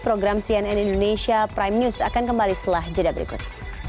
program cnn indonesia prime news akan kembali setelah jeda berikut